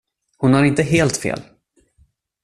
Hon har inte helt fel.